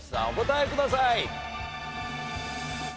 お答えください。